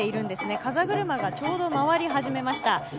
風車がちょうど回り始めました。